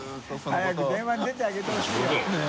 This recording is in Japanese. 早く電話に出てあげてほしいよ。ねぇ。